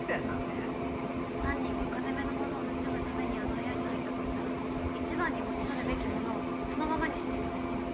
犯人が金目の物を盗むためにあの部屋に入ったとしたら一番に持ち去るべき物をそのままにしているんです。